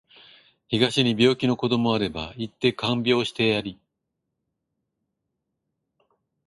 東に病気の子どもあれば行って看病してやり